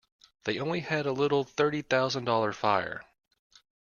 They only had a little thirty thousand dollar fire.